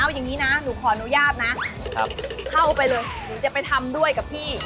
เข้าไปเลยหนูจะไปทำด้วยกับพี่